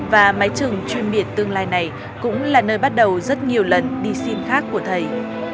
và mái trường chuyên biệt tương lai này cũng là nơi bắt đầu rất nhiều lần đi xin khác của thầy